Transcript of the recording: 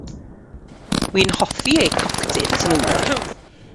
Wi'n hoffi eu coctêls nhw.